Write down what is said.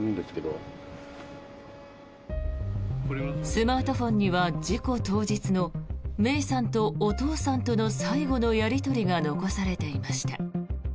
スマートフォンには事故当日の芽生さんとお父さんとの最後のやり取りが残されていました。